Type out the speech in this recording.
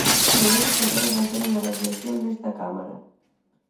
Sobre iso quero facer unha reflexión nesta Cámara.